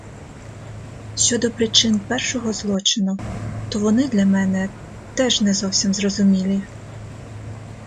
Щодо причин першого злочину, то вони для мене теж не зовсім зрозумілі.